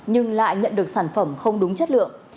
nhưng lại nhận được sản phẩm không đúng chất lượng